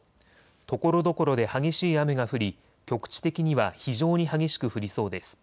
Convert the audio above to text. ところどころで激しい雨が降り局地的には非常に激しく降りそうです。